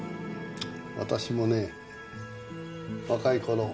私もね若い頃。